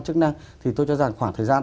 chức năng thì tôi cho rằng khoảng thời gian